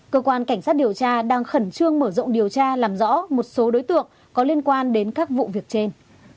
cơ quan cảnh sát điều tra đang khẩn trương mở rộng điều tra làm rõ một số đối tượng có liên quan đến các vụ việc trên